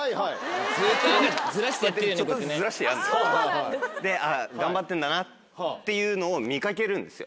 ずっと読んでるずらしてやってるこうやってね。で頑張ってんだなっていうのを見掛けるんですよ。